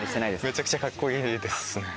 めちゃくちゃカッコいいですね。